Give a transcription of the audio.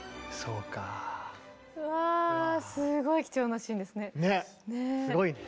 うわすごい貴重なシーンですね。ね？